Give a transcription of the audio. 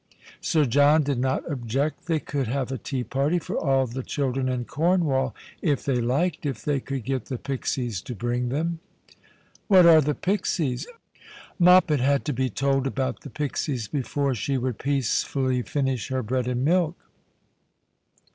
Sir John did not object. They could have a tea party tor all the children in Cornwall if they liked, if they could get the pixies to bring them. " What are the pixies ?" Thp: Christmas Hirelings. 165 Moppet had to be told about the pixies before she would peacefully finish her bread and milk.